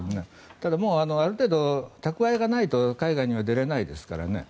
ただ、ある程度たくわえがないと海外には出られないですからね。